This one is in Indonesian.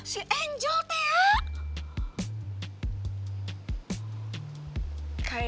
si angel teh ya